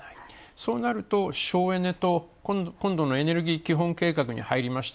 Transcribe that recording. そうなると省エネと今度のエネルギー基本計画に入りました